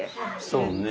そうね。